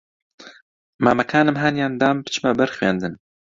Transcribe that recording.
مامەکانم ھانیان دام بچمە بەر خوێندن